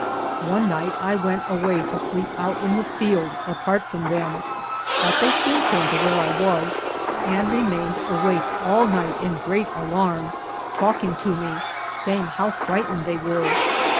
One night I went away to sleep out in the field apart from them; but they soon came to where I was, and remained awake all night in great alarm, talking to me, say ing how frightened they were.